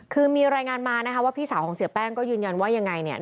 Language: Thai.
คือมีรายงานมานะคะว่าพี่สาวของเสียแป้งก็ยืนยันว่ายังไงเนี่ย